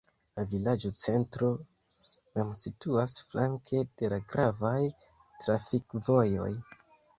La vilaĝocentro mem situas flanke de la gravaj trafikvojoj.